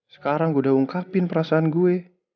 sekarang gue udah ungkapin perasaan gue